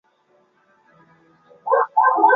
反映国家安全形势新变化